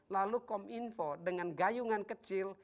lalu kom info dengan gayungan kecil